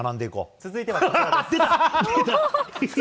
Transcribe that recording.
続いては。